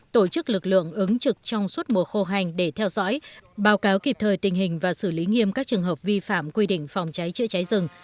tổ chức lực lượng ứng trực trong suốt mùa khô hành để theo dõi báo cáo kịp thời tình hình và xử lý nghiêm các trường hợp vi phạm quy định phòng cháy chữa cháy rừng